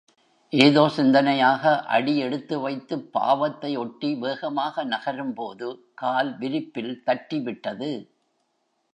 ஏதோ சிந்தனையாக, அடி எடுத்துவைத்துப் பாவத்தை ஒட்டி வேகமாக நகரும்போது கால் விரிப்பில் தட்டிவிட்டது.